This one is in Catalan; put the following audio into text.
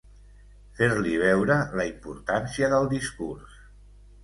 Fer-li veure la importància del discurs.